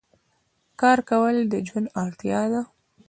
کار کول د ژوند اړتیا ده.